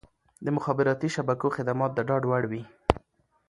د مخابراتي شبکو خدمات د ډاډ وړ وي.